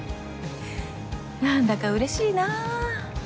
何だかうれしいな。